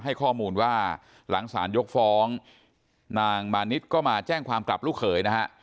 ให้ข้อมูลว่าหลังสารยกฟ้องนางมานิดก็มาแจ้งความกลับลูกเขยนะฮะ